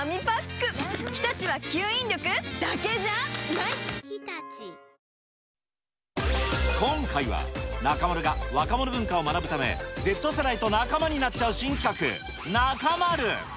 僕、今回は、中丸が若者文化を学ぶため、Ｚ世代と仲間になっちゃう新企画、ナカマる！